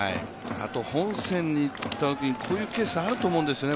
あと、本戦にいったときにこういうケースがあると思うんですよね。